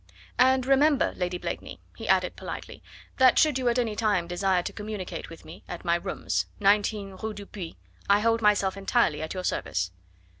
"And remember, Lady Blakeney," he added politely, "that should you at any time desire to communicate with me at my rooms, 19, Rue Dupuy, I hold myself entirely at your service."